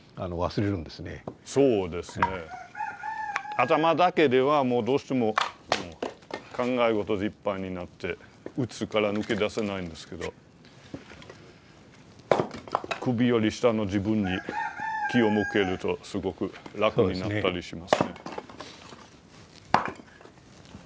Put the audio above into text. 頭だけではどうしても考え事でいっぱいになってうつから抜け出せないんですけど首より下の自分に気を向けるとすごく楽になったりしますね。